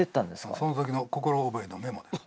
その時の心覚えのメモです